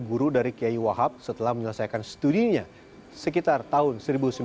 guru dari kiai wahab setelah menyelesaikan studinya sekitar tahun seribu sembilan ratus sembilan puluh